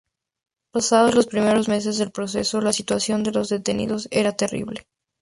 Pasados los primeros meses del "Proceso" la situación de los detenidos era terrible.